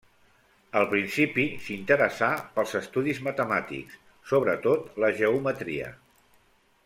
Al principi s'interessà pels estudis matemàtics, sobretot la geometria.